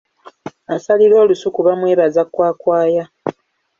Asalira olusuku bamwebaza kwakwaya.